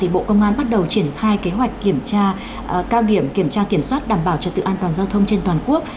bộ công an bắt đầu triển khai kế hoạch kiểm tra cao điểm kiểm tra kiểm soát đảm bảo trật tự an toàn giao thông trên toàn quốc